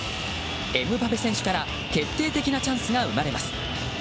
エムバペ選手から決定的なチャンスが生まれます。